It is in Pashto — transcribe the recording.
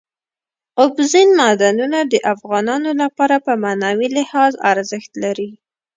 اوبزین معدنونه د افغانانو لپاره په معنوي لحاظ ارزښت لري.